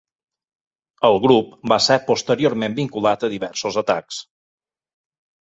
El grup va ser posteriorment vinculat a diversos atacs.